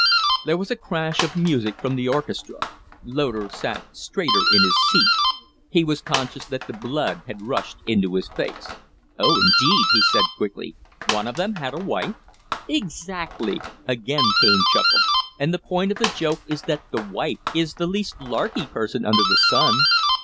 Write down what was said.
There was a crash of music from the orchestra. Loder sat straighter in his seat; he was conscious that the blood had rushed into his face. "Oh, indeed?" he said, quickly. "One of them had a wife?" "Exactly!" Again Kaine chuckled. "And the point of the joke is that the wife is the least larky person under the sun.